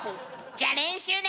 じゃ練習ね。